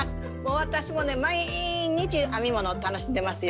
私もね毎日編み物を楽しんでますよ。